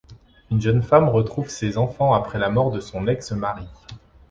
Une jeune femme retrouve ses enfants après la mort de son ex-mari.